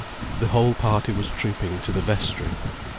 The whole party was trooping to the vestry.